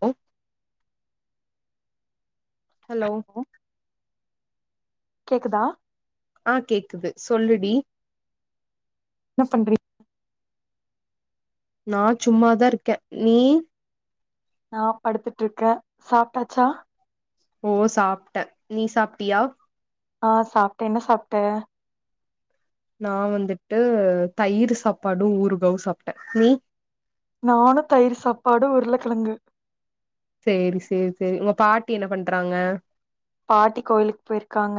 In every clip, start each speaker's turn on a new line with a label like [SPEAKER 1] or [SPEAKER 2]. [SPEAKER 1] அ hello
[SPEAKER 2] கேக்குதா
[SPEAKER 1] ஆ கேக்குது சொல்லுடி
[SPEAKER 2] என்னப் பண்றீங்
[SPEAKER 1] நா சும்மாதா இருக்கே நீ
[SPEAKER 2] நா படுத்துட்டு இருக்கே சாப்டாச்சா
[SPEAKER 1] ஓ சாப்பிட்ட நீ சாப்பிட்டியா
[SPEAKER 2] ஆ சாப்பிட்டே என்ன சாப்பிட்ட
[SPEAKER 1] நா வந்துட்டு தயிர் சாப்பாடு ஊறுகாவு சாப்பிட்டே நீ
[SPEAKER 2] நானு தயிர் சாப்பாடு உருளைக்கெழங்கு
[SPEAKER 1] சேரி சேரி செரி உங்க பாட்டி என்ன பண்றாங்க
[SPEAKER 2] பாட்டி கோயிலுக்கு போயிருக்காங்க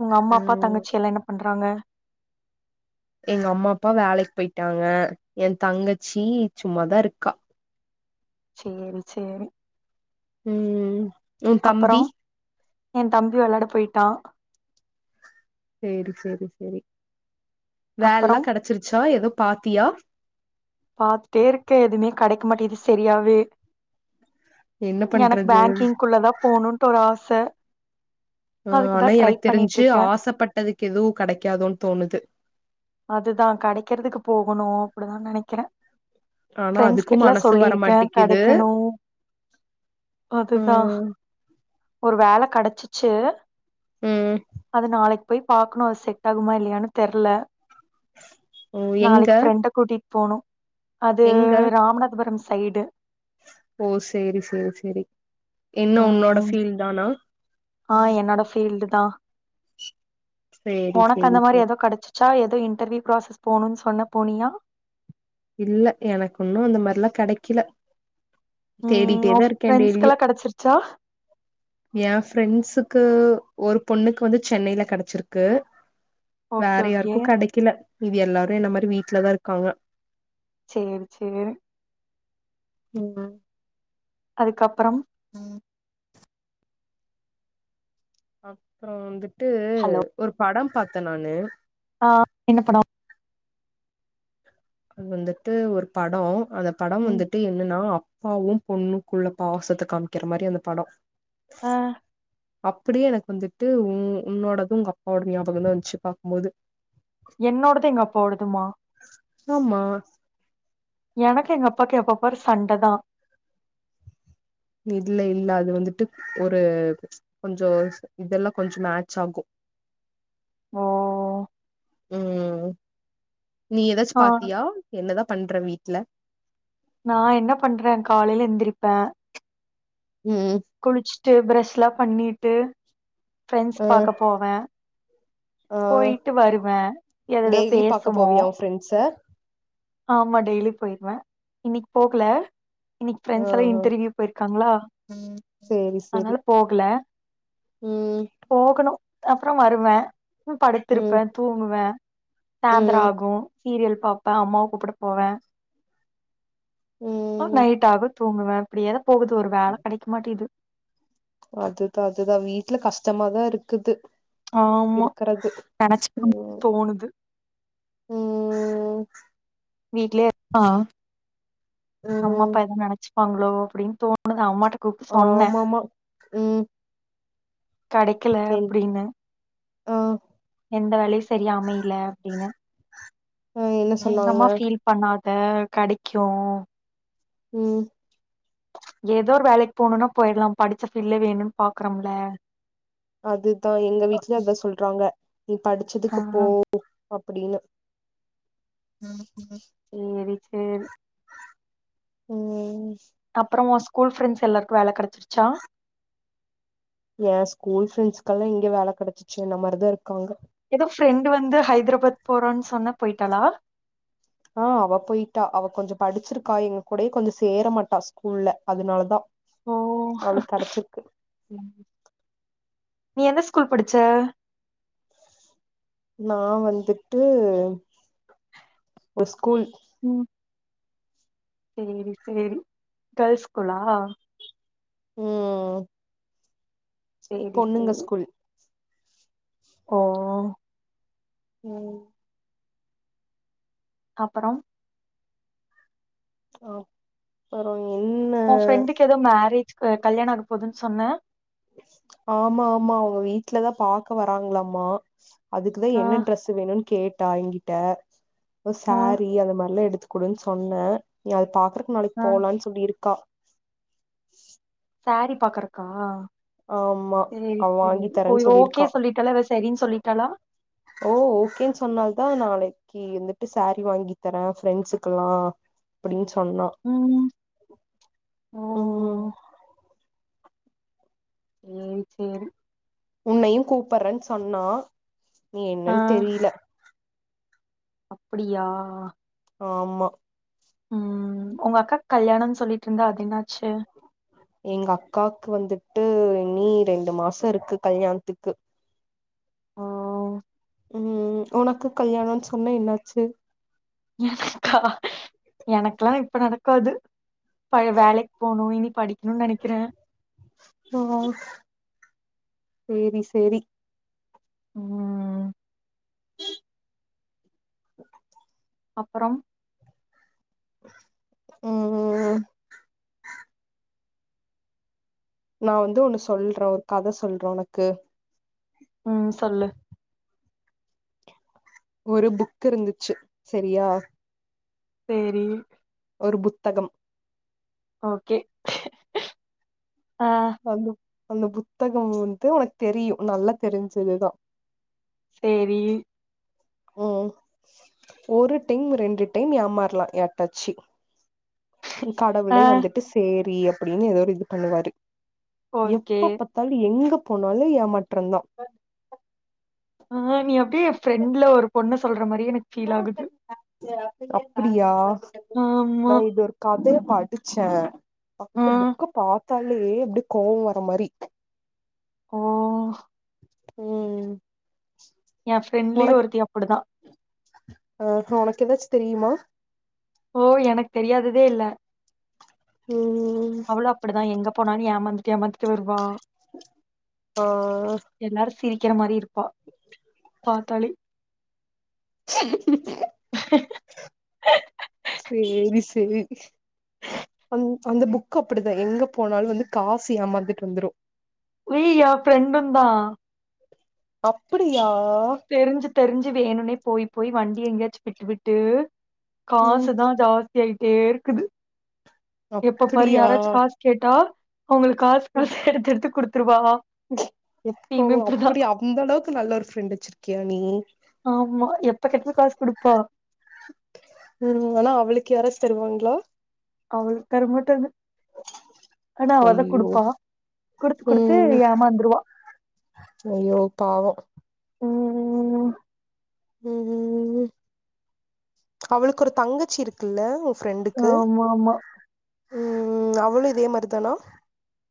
[SPEAKER 2] உங்க அம்மா அப்பா
[SPEAKER 1] ம்
[SPEAKER 2] தங்கச்சியல்லா என்ன பண்றா றாங்க
[SPEAKER 1] எங்க அம்மா அப்பா வேலைக்கு போயிட்டாங்க என் தங்கச்சி சும்மாதா இருக்கா
[SPEAKER 2] சேரி சேரி
[SPEAKER 1] ம் உ
[SPEAKER 2] அப்பறோ
[SPEAKER 1] தம்பி
[SPEAKER 2] எ தம்பி வெளையாட போயிட்டா
[SPEAKER 1] செரி செரி செரி வேல
[SPEAKER 2] அப்பறோ
[SPEAKER 1] எல்லா கெடைச்சிருச்சா ஏதோ பாத்தியா
[SPEAKER 2] பாத்துட்டே இருக்கே எதுவுமே கெடைக்க மாட்டாங்கிது சரியாவே
[SPEAKER 1] என்ன
[SPEAKER 2] எனக்கு
[SPEAKER 1] பண்றது
[SPEAKER 2] பேங்கிங்குள்ளதா போணுன்னு ஒரு ஆசை
[SPEAKER 1] ஆ ஆனா எனக்கு தெரிஞ்சு ஆசைப்பட்டதுக்கு எதுவு கெடைக்காதோன்னு தோணுது
[SPEAKER 2] அதுதா கெடைக்கிறதுக்கு போகணு அப்டிதா நெனைக்கிறே
[SPEAKER 1] ஆனா அதுக்கும்
[SPEAKER 2] ஃப்ரெண்ட்ஸ்கிட்டல்லா
[SPEAKER 1] மனசு
[SPEAKER 2] சொல்லிருக்கே
[SPEAKER 1] வரமாட்டிக்குது
[SPEAKER 2] கெடைக்கணு அதுதா
[SPEAKER 1] ம்
[SPEAKER 2] ஒரு வேள கடைச்சிச்சு
[SPEAKER 1] ம்
[SPEAKER 2] அது நாளைக் போய் பாக்கணு அது செட் ஆகுமா இல்லையானனு தெரல
[SPEAKER 1] ஓ எங்க
[SPEAKER 2] நாளைக்கு ஃபிரண்டு கூட்டிட்டு போணு அது
[SPEAKER 1] எங்க
[SPEAKER 2] ராமநாதபுரம் சைடு
[SPEAKER 1] ஓ சேரி சேரி சேரி என்ன உன்னோட
[SPEAKER 2] ம்
[SPEAKER 1] ஃபீல் தானா
[SPEAKER 2] ஆ என்னோட பீல்டு தா
[SPEAKER 1] சேரி
[SPEAKER 2] உனக்கு
[SPEAKER 1] சேரி
[SPEAKER 2] அந்த மாரி
[SPEAKER 1] சேரி
[SPEAKER 2] ஏதோ கெடைச் சா ஏதோ இன்டர்வியூ ப்ராசஸ் போகணுன்னு சொன்ன போனியா
[SPEAKER 1] இல்ல எனக்கு உன்னு அந்த மாரிலா கெடைக்கல
[SPEAKER 2] ம் உ
[SPEAKER 1] தேடிட்டேதா இருக்கே டெய்லியு
[SPEAKER 2] ஃப்ரெண்ட்ஸ்கெல்லா கெடச்சிருச்சா
[SPEAKER 1] என் ஃப்ரெண்ட்ஸுக்கு ஒரு பொண்ணுக்கு வந்து சென்னையில கெடைச்சிருக்கு
[SPEAKER 2] ஓகே
[SPEAKER 1] வேற
[SPEAKER 2] ஓகே
[SPEAKER 1] யாருக்கு கெடைக்கல இது எல்லாரு என்ன மாரி வீட்டு்லதா இருக்காங்க
[SPEAKER 2] சேரி சேரி
[SPEAKER 1] ம்
[SPEAKER 2] அதுக்கப்பறம் ம்
[SPEAKER 1] அப்பற வந்துட்டு
[SPEAKER 2] ஹலோ
[SPEAKER 1] ஒரு படம் பாத்தே நானு
[SPEAKER 2] ஆ என்னப் படோ
[SPEAKER 1] அது வந்துட்டு ஒரு படோ அந்த படோ
[SPEAKER 2] ம்
[SPEAKER 1] வந்துட்டு என்னன்னா பாவும் பொண்ணு குள்ள பாசத்த காமிக்கிற மாரி அந்த படோ
[SPEAKER 2] அ
[SPEAKER 1] அப்டியே எனக்கு வந்துட்டு உ உன்னோடது உங்க அப்பாவோட ஞாபகோ தா வந்துச்சி பாக்கும்போது
[SPEAKER 2] என்னோடது எங்க அப்பாவோடதுமா
[SPEAKER 1] ஆமா
[SPEAKER 2] எனக்கு எங்க அப்பாக்கு எப்பப்பரு சண்டதா
[SPEAKER 1] இல்ல இல்ல அது வந்துட்டு ஒரு கொஞ்சோ இதெல்லா கொஞ்சோ மேச் ஆகு
[SPEAKER 2] ஓ
[SPEAKER 1] ம் நீ ஏதாச்சி
[SPEAKER 2] ஆ
[SPEAKER 1] பாத்தியா என்னதா பண்ற வீட்ல
[SPEAKER 2] நா என்ன பண்ற காலைல எந்திரிப்ப
[SPEAKER 1] ம் ம்
[SPEAKER 2] டு ப்ரெஷ்லா பண்ணிட்டு ஃரெண்ட்ஸ்
[SPEAKER 1] ஆ
[SPEAKER 2] பாக்க போவ
[SPEAKER 1] ஆ
[SPEAKER 2] போயிட்டு வருவ எதேதோ
[SPEAKER 1] டெய்லி பாக்க
[SPEAKER 2] பேசுவோ
[SPEAKER 1] போவியா உன் ஃப்ரெண்ட்ஸ
[SPEAKER 2] ஆமா டெய்லி போயிருவ இன்னிக் போகல இன்னிக்கு
[SPEAKER 1] ஆ
[SPEAKER 2] ஃரெண்டஸ்ஸெல்லா
[SPEAKER 1] ஆ
[SPEAKER 2] இன்டர்வியூ போயிருக்களா
[SPEAKER 1] சேரி சேரி
[SPEAKER 2] அதனால போகல
[SPEAKER 1] ம்
[SPEAKER 2] போகணு அப்றோ வருவ
[SPEAKER 1] ம்
[SPEAKER 2] படுத்துருப்ப தூங்குவ சாந்ரோ
[SPEAKER 1] ம்
[SPEAKER 2] ஆகு சீரியல் பாப்ப அம்மாவ கூப்புட போவ அ
[SPEAKER 1] ம்
[SPEAKER 2] நைட் ஆக தூங்குவ இப்படியேதா போகுது ஒரு வேல கெடைக்க மாட்டேது
[SPEAKER 1] அதுதா அதுதா வீட்ல கஷ்டமாதாருக்குது
[SPEAKER 2] ஆமா
[SPEAKER 1] இருக்கறது
[SPEAKER 2] நெனச்சு பாக்க
[SPEAKER 1] ம்
[SPEAKER 2] தோணுது
[SPEAKER 1] ம்
[SPEAKER 2] வீட்லியே அ அம்மா
[SPEAKER 1] ம்
[SPEAKER 2] அப்பா எதோ நெனச்சி பாங்ளோ அப்டின் தோணுது அம்மாட்ட கூப்பிட்டு சொன்னேன்
[SPEAKER 1] ஆமாம்மா ம்
[SPEAKER 2] கடைக்கல அப்டின்னு
[SPEAKER 1] அ
[SPEAKER 2] எந்த வேலையு செரியா அமைல அப்டின்னு
[SPEAKER 1] ஆ என்ன
[SPEAKER 2] எங்க
[SPEAKER 1] சொன்னாங்க
[SPEAKER 2] அம்மா ஃபீல் பண்ணாத கெடைக்கு
[SPEAKER 1] ம்
[SPEAKER 2] ஏதோ ஒரு வேலைக்கு போணுன்னா போயிட்லா படிச்ச ஃபீல்ட வேணுன் பாக்குறோம்ல
[SPEAKER 1] அதுதா எங்க வீட்லே அதா சொல்றாங்க நீ
[SPEAKER 2] ஆ
[SPEAKER 1] படிச்சதுக்கு போ அப்டின்னு
[SPEAKER 2] ம் சேரி சேரி
[SPEAKER 1] ம்
[SPEAKER 2] அப்பறோ வோ ஸ்கூல் ஃப்ரெண்ட்ஸ் எல்லாருக்கு வேல கெடச்சிருச்சா
[SPEAKER 1] ஏ ஸ்கூல் பிரரெண்ட்ஸ்கெல்லா எங்க வேல கெடச்சிச்சி என்ன மாரிதாருக்காங்க
[SPEAKER 2] ஏதோ ஃப்ரெண்டு் வந்து ஹைதராபாத் போறன் சொன்ன போயிட்டாளா
[SPEAKER 1] ஆஅவ போயிட்டா அவ கொஞ்சோ படிச்சிருக்கா எங்க கூடயே கொஞ்சோ சேர மாட்டா ஸ்கூல்ல அதனாலதா
[SPEAKER 2] ஓ
[SPEAKER 1] அவளுக்கெடச்சிருக்கு
[SPEAKER 2] ம். நீ எந்த ஸ்கூல் படிச்ச
[SPEAKER 1] நா வந்துட்டு ஒரு ஸ்கூல்
[SPEAKER 2] ம் சேரி சேரி கேர்ள்ஸ் ஸ்கூலா
[SPEAKER 1] ம்
[SPEAKER 2] சேரி
[SPEAKER 1] பொண்ணுங்க
[SPEAKER 2] சேரி
[SPEAKER 1] ஸ்கூல்
[SPEAKER 2] ஓ
[SPEAKER 1] ம்
[SPEAKER 2] அப்பறம்
[SPEAKER 1] ஒ பரவ
[SPEAKER 2] உ ஃப்ரெண்டுக்கு எதோ மேரேஜ் க கல்யாண ஆக போகுதுன் சொன்ன
[SPEAKER 1] ஆமா ஆமா அவுங்க வீட்லதா பாக்க வராங்களாமா அதுக்குதா
[SPEAKER 2] ஆ
[SPEAKER 1] என்ன ட்ரரெஸு வேணுன் கேட்டா எங்கிட்ட ஏ
[SPEAKER 2] ஆ
[SPEAKER 1] சேரீ அந்த மாரிலா எடுத்து குடுன் சொன்ன ந அது பாக்கறக் நாளைக்
[SPEAKER 2] ஆ
[SPEAKER 1] போலான் சொல்லியிருக்கா
[SPEAKER 2] சேரி பாக்கறக்கா
[SPEAKER 1] ஆமா
[SPEAKER 2] செரி
[SPEAKER 1] அவ
[SPEAKER 2] செரி
[SPEAKER 1] வாங்கி
[SPEAKER 2] ஒ
[SPEAKER 1] தரேன்
[SPEAKER 2] இவ ஓகே
[SPEAKER 1] சொல்லிருக்கா
[SPEAKER 2] சொல்லிட்டாலா வெஸ் செரின் சொல்லிட்டாளா
[SPEAKER 1] ஓ ஓகேன் சொன்னால்தா நாளைக்கி வந்துட்டு சேரீ வாங்கி தரே ஃப்ரெண்ட்ஸுக்குல்லா அப்படின் சொன்னா
[SPEAKER 2] ம் ஓ
[SPEAKER 1] ம்
[SPEAKER 2] சேரி சேரி
[SPEAKER 1] உன்னையு கூப்பற்றன் சொன்னா
[SPEAKER 2] ஆ
[SPEAKER 1] என்னன் தெரியில
[SPEAKER 2] அப்படியா
[SPEAKER 1] ஆமா
[SPEAKER 2] ம் உங்கக்காக் கல்யாணம்ன் சொல்லிட்ருந்தா அது என்
[SPEAKER 1] எங்கக்காக் வந்துட் டு இனி ரெண்டு மாசோ இருக்கு கல்யாண்த்துக்கு
[SPEAKER 2] ஓ
[SPEAKER 1] ம் ம் உனக்கு கல்யாணம் சொன்ன இன்னாச்சு
[SPEAKER 2] எனக்குலா இப்ப நடக்காது பழய வேலைக் போனு இனி படிக்கணும்னு நெனைக்கிறே
[SPEAKER 1] ஆ செரி செரி
[SPEAKER 2] ம் அப்பறம்
[SPEAKER 1] ம் ம் ம் நா வந்து ஒன்னு சொல்ற ஒரு கத சொல்ற உனக்கு
[SPEAKER 2] ம் சொல்லு
[SPEAKER 1] ஒரு புக்கிருந்துச்சு செரியா
[SPEAKER 2] செரி
[SPEAKER 1] ஒரு புத்தகம்
[SPEAKER 2] ஓகே ஆ
[SPEAKER 1] அந்த அந்த புத்தகம் வந்து உனக் தெரியு நல்லா தெரிஞ்சதுதா
[SPEAKER 2] செரி
[SPEAKER 1] ம் ம் ஒரு டைம் ரெண்டு டைம் ஏமாற்லா எப்பாச்சி கடவுளே
[SPEAKER 2] ஆ
[SPEAKER 1] வந்துட்டு சேரி அப்படின்னு எதோ ஒரு இது பண்ணுவாரு
[SPEAKER 2] ஓகே.
[SPEAKER 1] எப்பப்பாத்தாலு எங்க போனாலு ஏமாற்றந்தா
[SPEAKER 2] ஆ நீ அப்டியே எ ஃப்ரெண்ட்ல ஒரு பொண்ண சொல்ற மாரி எனக் ஃபீல் ஆகுது
[SPEAKER 1] அப்படியா நா
[SPEAKER 2] ஆமா.
[SPEAKER 1] இது ஒரு கத படிச்ச
[SPEAKER 2] ஆ.
[SPEAKER 1] அந்த புக்க பாத்தாலே அப்டே கோவு வர மாரி
[SPEAKER 2] ஓ
[SPEAKER 1] ம்
[SPEAKER 2] எ ஃப்ரெண்ட்லியு ஒருத்தி அப்படிதா
[SPEAKER 1] அ உனக்கெதாச் தெரியுமா
[SPEAKER 2] ஓ எனக் தெரியாததே இல்ல
[SPEAKER 1] ம்
[SPEAKER 2] அவளு அப்படிதா எங்க போனாலு ஏமாந்துட்டு ஏமாந்துட்டு வருவா
[SPEAKER 1] ஆ
[SPEAKER 2] எல்லாரு சிரிக்கிற மாரி இருப்பா பாத்தாலே
[SPEAKER 1] சேரி சேரி அந் அந்த புக்கு அப்படிதா எங்க போனால் வந்து காசு ஏமரந்துட்டு வந்துரு
[SPEAKER 2] விய் ஃப்ரெண்டுந்தா
[SPEAKER 1] அப்படியா
[SPEAKER 2] தெரிஞ்சு தெரிஞ்சு வேணுனே போய் போய் வண்டி எங்கயாச்சு விட்டு விட்டு
[SPEAKER 1] ம்
[SPEAKER 2] காசு தா ஜாஸ்தியயிட்டே இருக்குது எப்ப பாரு
[SPEAKER 1] அப்படியா
[SPEAKER 2] யாராச்சு காசு கேட்டா அவங்களுக்கு காசு காசு எடுத்து எடுத்து குடுத்துருவா
[SPEAKER 1] ஓ
[SPEAKER 2] எப்பயுமே இப்படிதான்.
[SPEAKER 1] அப்டி அந்த அளவுக்கு நல்ல ஒரு ஃப்ரெண்ட் வச்சிருக்கியா நீ
[SPEAKER 2] இப்ப கேட்டாலு காசு குடுப்பா
[SPEAKER 1] ம் ஆனா அவளுக்கு யாராச்சு தருவாங்களா
[SPEAKER 2] அவளுகு தரமாட்டாங்க ஆனா அவதா
[SPEAKER 1] ஐயோ
[SPEAKER 2] குடுப்பா குடுத்து குடுத்து ஏமாந்துருவா
[SPEAKER 1] ஐய்யோ பாவோ
[SPEAKER 2] ம் ம்
[SPEAKER 1] ம் ம் அவளுக்கு ஒரு தங்கச்சி இருக்குல்ல ஃப்ரெண்டுக்கு
[SPEAKER 2] ஆமா ஆமா
[SPEAKER 1] ம் ம் அவளு இதே மாதிரி தானா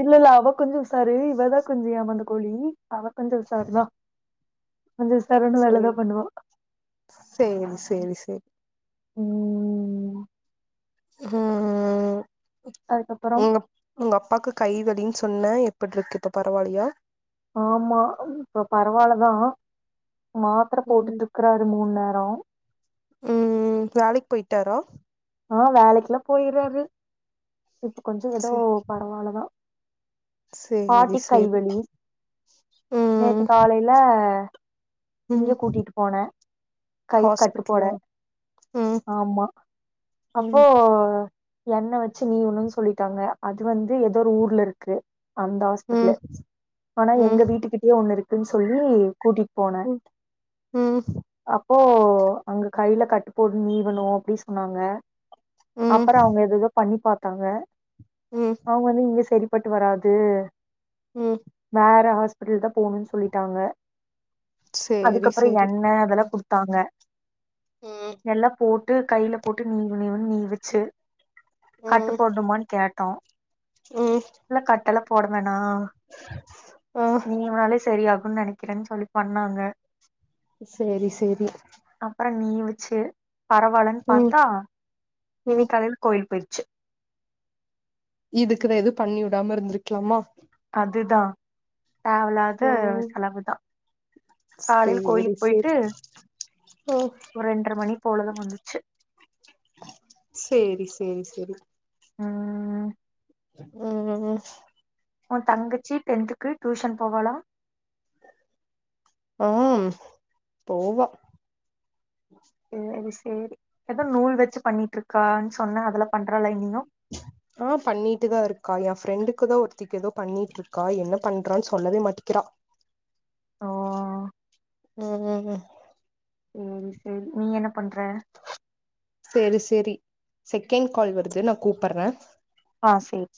[SPEAKER 2] இல்ல இல்ல அவ கொஞ்சோ செரி இவதா கொஞ்சோ ஏமாந்த கோழி அவ கொஞ்சோ உசார்தா கொஞ்சோ உசாரனா வேலதா
[SPEAKER 1] சேரி
[SPEAKER 2] பண்ணுவா
[SPEAKER 1] சேரி சேரி சேரி
[SPEAKER 2] ம் ம் ம்
[SPEAKER 1] ம் ம்
[SPEAKER 2] அதுக்கப்புறம்
[SPEAKER 1] உங்க உங்க அப்பாக்கு கைவலின்னு சொன்ன எப்டி இருக்கு இப்ப பரவா இல்லையா
[SPEAKER 2] ஆமா இப்ப பரவாலதா மாத்தர போட்டுட்டு இருக்குறாரு மூணு நேரோ
[SPEAKER 1] ம்ம்ம் வேலைக்கு போயிட்டாரா
[SPEAKER 2] ஆஹ் வேலைக்கெல்லா போய்ர்றாரு இப்ப கொஞ்சோ ஏதோ
[SPEAKER 1] சே
[SPEAKER 2] பரவால்லதா
[SPEAKER 1] சேரி
[SPEAKER 2] பாட்டிக்
[SPEAKER 1] சேரி
[SPEAKER 2] கைவலி நேத்து
[SPEAKER 1] ம்
[SPEAKER 2] காலையில
[SPEAKER 1] ம்
[SPEAKER 2] இங்க கூட்டிட்டு போனே கை கட்டு போட
[SPEAKER 1] ஹாஸ்பிட்டலா ம்
[SPEAKER 2] ஆமா அப்போ
[SPEAKER 1] ம்
[SPEAKER 2] எண்ண வச்சு நீவுனு சொல்லிட்டாங்க அது வந்து ஏதோ ஒரு ஊர்ல இருக்கு அந்த ஹாஸ்பிட்லு
[SPEAKER 1] ம்
[SPEAKER 2] ஆனா
[SPEAKER 1] ம்
[SPEAKER 2] எங்க வீட்டுக்கிட்டயே ஒண்ணு இருக்குன்னு சொல்லி கூட்டிட்டு போ
[SPEAKER 1] ம் ம்
[SPEAKER 2] அப்போ அங்க கையில கட்டு போடு நீவணு அப்டி சொன்னாங்க
[SPEAKER 1] ம்
[SPEAKER 2] அப்றோ அவங்க ஏதோ பண்ணி பாத்தாங்க
[SPEAKER 1] ம்
[SPEAKER 2] அவங்க வந்து இங்க செரி ப்பட்டு வராது
[SPEAKER 1] ம்
[SPEAKER 2] வேற ஹாஸ்பிட்டல் தா போணு சொல்லிட்டாங்க
[SPEAKER 1] சேரி
[SPEAKER 2] அதுக்கப்றோ
[SPEAKER 1] சேரி
[SPEAKER 2] எண்ண அதெல்லா குடுத் தாங்க
[SPEAKER 1] ம்
[SPEAKER 2] நல்லா போட்டு கையில போட்டு நீவு நீவுன்னு நீவுச்சு கட்டு
[SPEAKER 1] ம்
[SPEAKER 2] போடம்மானு கேட்டோ
[SPEAKER 1] ம்
[SPEAKER 2] இல்ல கட்ட எல்லா போட வே ஆ
[SPEAKER 1] ஆ
[SPEAKER 2] நீவுனாலே சரியாகுமன்னு நெனைக்கிறே சொல்லி பண்ணாங்க
[SPEAKER 1] செரி செரி
[SPEAKER 2] அப்புறோ நீவுச்சு பரவாலன்னு பாத்தா
[SPEAKER 1] ம்
[SPEAKER 2] இன்னைக்கு காலையில கோயில் போயிருச்சு
[SPEAKER 1] இதுக்குத எது பண்ணி விடாம இருந்திருக்கலாமா
[SPEAKER 2] தேவலாது
[SPEAKER 1] ம்
[SPEAKER 2] செலவுதா காலையில
[SPEAKER 1] சேரி
[SPEAKER 2] கோயிலுக்கு போய்ட்டு
[SPEAKER 1] சேரி ஓ
[SPEAKER 2] ஒரு ரென்ற மணி போலதா வந்துச்சு
[SPEAKER 1] சேரி சேரி செரி
[SPEAKER 2] ம்ம்ம்
[SPEAKER 1] ம்ம்ம் ஹூ
[SPEAKER 2] ஓ தங்கச்சி டென்த்துக்கு டியூஷன் போவாலா
[SPEAKER 1] ம்ம் போவ
[SPEAKER 2] சேரி சேரி ஏதோ நூல் வச்சு பண்ணிட்டு இருக்கான்னு சொன்ன அதலா பண்றலா இன்னியு [inaudible]
[SPEAKER 1] ஆஹ் பண்ணிட்டுதா இருக்கா எ ஃப்ரெண்டுக்குதா ஒருத்தக்கு ஏதோ பண்ணிட்டு இருக்கா என்ன பண்றான்னு சொல்லவே மாட்டேிக்கிறா
[SPEAKER 2] ஹ்
[SPEAKER 1] ம் ம் ம்
[SPEAKER 2] ம் செரி நீ என்ன பண்ற
[SPEAKER 1] செரி செரி செகண்ட் கால் வருது நான் கூப்பிடுற
[SPEAKER 2] ஆ செர்